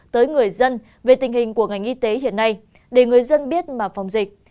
tới người dân về tình hình của ngành y tế hiện nay để người dân biết mà phòng dịch